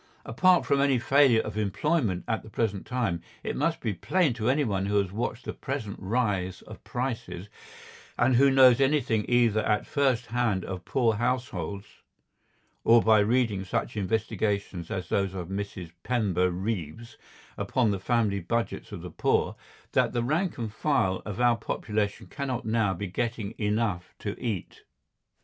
Apart from any failure of employment at the present time, it must be plain to anyone who has watched the present rise of prices and who knows anything either at first hand of poor households or by reading such investigations as those of Mrs. Pember Reeves upon the family budgets of the poor, that the rank and file of our population cannot now be getting enough to eat.